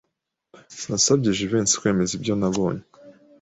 Nasabye Jivency kwemeza ibyo nabonye.